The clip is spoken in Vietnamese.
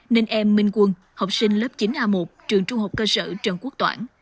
nên em minh quân học sinh lớp chín a một trường trung học cơ sở trần quốc toản